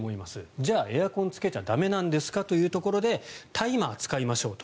じゃあ、エアコンをつけちゃ駄目なんですかというところでタイマーを使いましょうと。